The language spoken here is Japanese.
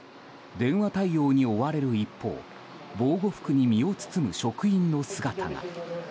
電話対応に追われる一方防護服に身を包む職員の姿が。